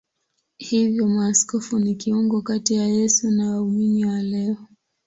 Hivyo maaskofu ni kiungo kati ya Yesu na waumini wa leo.